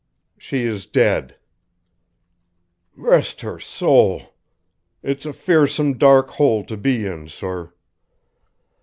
"She is dead." "Rest her sowl! It's a fearsome dark hole to be in, sor."